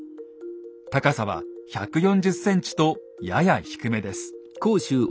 高さは１４０ｃｍとやや低めです。